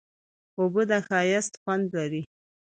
اوبه د ښایست خوند لري.